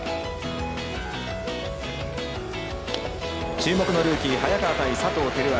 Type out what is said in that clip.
注目のルーキー早川対佐藤輝明。